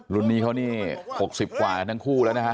รุ่นนี้เขานี่๖๐กว่ากันทั้งคู่แล้วนะฮะ